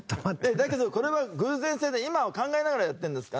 だけどこれは偶然性で今は考えながらやってるんですか？